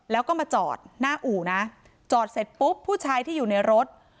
แล้วก็มาจอดหน้าอู่นะจอดเสร็จปุ๊บผู้ชายที่อยู่ในรถ